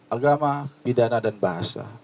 agama pidana dan bahasa